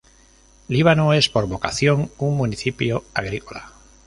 Líbano es por vocación un municipio agrícola.